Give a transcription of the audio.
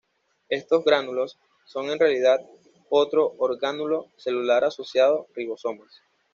Estos gránulos son en realidad otro orgánulo celular asociado: ribosomas.